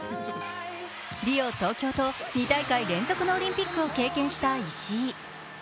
リオ、東京都２大会連続のオリンピックを経験した石井。